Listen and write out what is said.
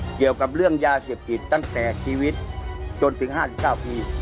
เกี่ยวกับเรื่องยาเสพติดตั้งแต่ชีวิตจนถึง๕๙ปี